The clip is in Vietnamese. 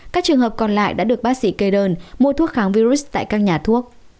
các trường hợp còn lại đã được bác sĩ kê đơn mua thuốc kháng virus tại các nhà thuốc